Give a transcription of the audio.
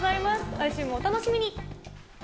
来週もお楽しみに。